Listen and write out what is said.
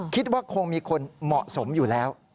คิดว่าคงมีคนเหมาะสมอยู่แล้ว